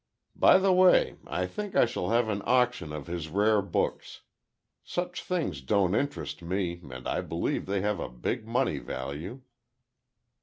By the way, I think I shall have an auction of his rare books. Such things don't interest me, and I believe they have a big money value."